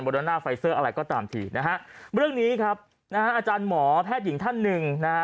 โดน่าไฟเซอร์อะไรก็ตามทีนะฮะเรื่องนี้ครับนะฮะอาจารย์หมอแพทย์หญิงท่านหนึ่งนะฮะ